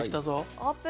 オープン！